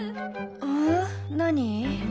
ん？何？